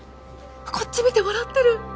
こっち見て笑ってる！